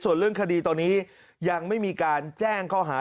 ส่วนเรื่องคดีตอนนี้ยังไม่มีการแจ้งข้อหา